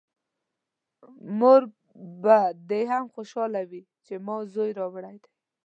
مور به دې هم خوشحاله وي چې ما زوی راوړی دی!